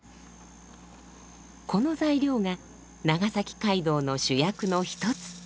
この材料が長崎街道の主役の一つ